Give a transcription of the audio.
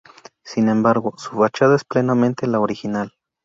Sin embargo, su fachada es plenamente la original.